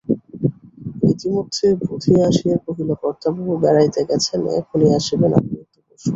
ইতিমধ্যে বুধিয়া আসিয়া কহিল, কর্তাবাবু বেড়াইতে গেছেন এখনি আসিবেন, আপনি একটু বসুন।